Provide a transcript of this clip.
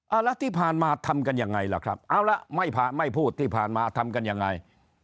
แล้วที่ผ่านมาทำกันยังไงล่ะครับเอาล่ะไม่พูดที่ผ่านมาทำกันยังไง